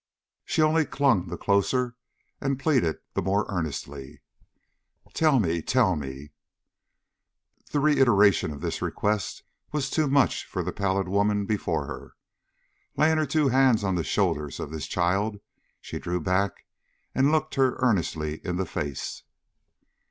She only clung the closer and pleaded the more earnestly: "Tell me, tell me!" The reiteration of this request was too much for the pallid woman before her. Laying her two hands on the shoulders of this child, she drew back and looked her earnestly in the face.